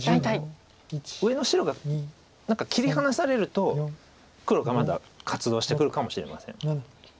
上の白が切り離されると黒がまだ活動してくるかもしれません。